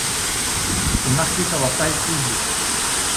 C'est marqué sur leur page Facebook.